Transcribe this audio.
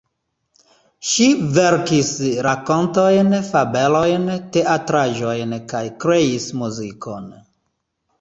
Ŝi verkis rakontojn, fabelojn, teatraĵojn kaj kreis muzikon.